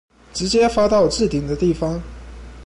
直接發到置頂的地方